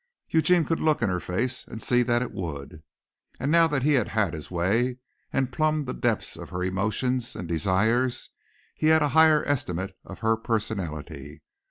Eugene could look in her face and see that it would. And now that he had had his way and plumbed the depths of her emotions and desires he had a higher estimate of her personality.